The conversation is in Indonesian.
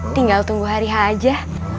tinggal tunggu hari hari aja